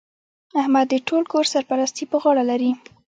احمد د ټول کور سرپرستي پر غاړه لري.